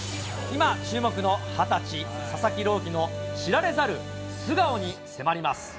今、注目の２０歳、佐々木朗希の知られざる素顔に迫ります。